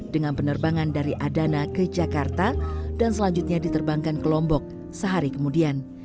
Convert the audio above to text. dengan penerbangan dari adana ke jakarta dan selanjutnya diterbangkan ke lombok sehari kemudian